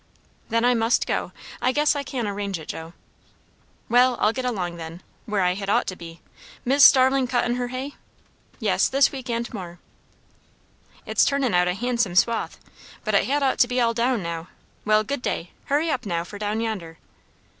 "Then I must go. I guess I can arrange it, Joe." "Well, I'll get along, then, where I had ought to be. Mis' Starling cuttin' her hay?" "Yes, this week and more." "It's turnin' out a handsome swath; but it had ought to be all down now. Well, good day! Hurry up, now, for down yonder."